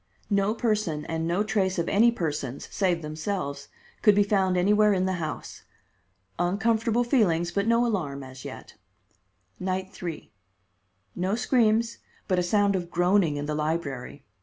No person and no trace of any persons, save themselves, could be found anywhere in the house. Uncomfortable feelings, but no alarm as yet. Night 3: No screams, but a sound of groaning in the library.